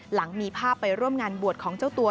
หลังมีภาพไปร่วมงานบวชของเจ้าตัว